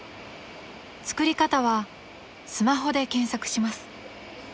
［作り方はスマホで検索します］